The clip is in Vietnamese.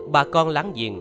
bà con láng giềng